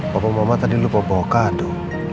bapak mama tadi lupa bawa kado